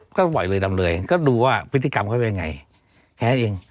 ก็บ่อยเลยดำเลยก็ดูว่าพฤติกรรมเขาเป็นยังไงแค่นั้นเอง